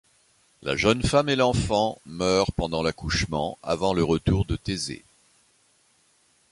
La jeune femme et l'enfant meurent pendant l'accouchement avant le retour de Thésée.